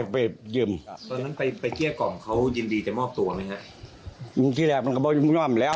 ปืนมันกะยกอยู่แล้ว